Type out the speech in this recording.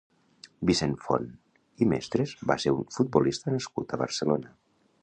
Vicenç Font i Mestres va ser un futbolista nascut a Barcelona.